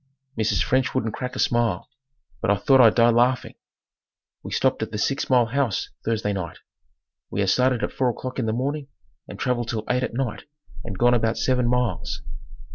Mrs. French wouldn't crack a smile, but I thought I'd die laughing. We stopped at the six mile house Thursday night. We had started at 4 o'clock in the morning and traveled till eight at night and gone about seven miles.